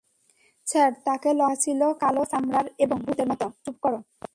Sir, তাকে লম্বা দেখাচ্ছিল, কালো চামড়ার এবং ভূতের মতো, চুপ কর।